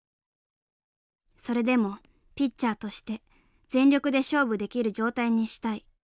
それでもピッチャーとして全力で勝負できる状態にしたい。